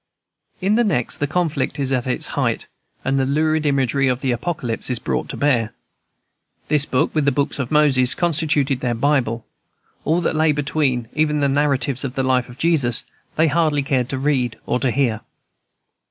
In the next, the conflict is at its height, and the lurid imagery of the Apocalypse is brought to bear. This book, with the books of Moses, constituted their Bible; all that lay between, even the narratives of the life of Jesus, they hardly cared to read or to hear.